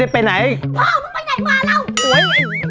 นายไปไหนมาเฮ้ย